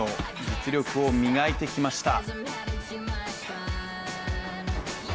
実力を磨いてきました。